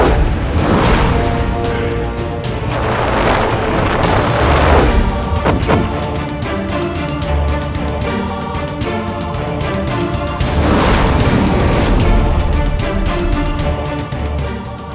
kau itu penipu ulung